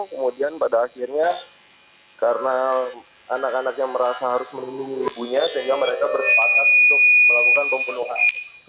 kemudian pada akhirnya karena anak anaknya merasa harus melindungi ibunya sehingga mereka bersepakat untuk melakukan pembunuhan